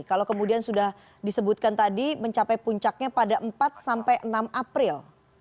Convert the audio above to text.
kalau kemudian sudah disebutkan tadi mencapai puncaknya pada empat sampai enam april